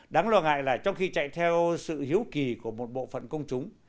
đáng lo ngại là trong khi chạy theo sự hiếu kỳ của một bộ phận công chúng